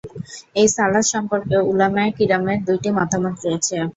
এই সালাত সম্পর্কে উলামায়ে কিরামের দুইটি মতামত রয়েছে।